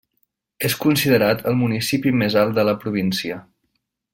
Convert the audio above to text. És considerat el municipi més alt de la província.